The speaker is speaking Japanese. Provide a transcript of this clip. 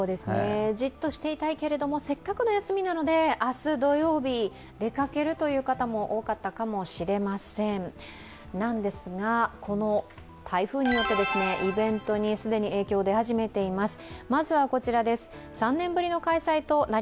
じっとしていたいけれども、せっかくの休みなので明日土曜日、出かけるという方も多かったかもしれませんなんですがこの台風によってイベントに既に影響が出始めています。